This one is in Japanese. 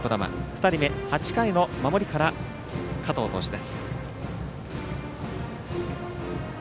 ２人目、８回の守りから加藤投手です。